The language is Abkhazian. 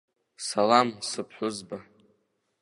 Салам, сыԥҳәызба.